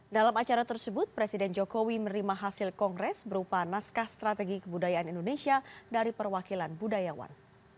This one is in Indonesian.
dalam acara tersebut presiden jokowi menerima hasil kongres berupa naskah strategi kebudayaan indonesia dari perwakilan budayawan